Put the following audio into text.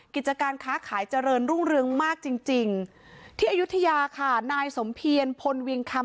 กิจการค้าขายเจริญรุ่งเรืองมากจริงจริงที่อายุทยาค่ะนายสมเพียรพลเวียงคำ